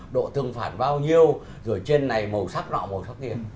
độ tương phản bao nhiêu rồi trên này màu sắc nọ màu sắc kia